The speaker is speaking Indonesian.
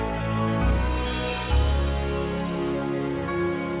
sampai jumpa lagi